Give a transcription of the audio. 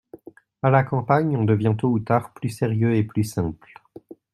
À la campagne, on devient tôt ou tard plus sérieux et plus simple.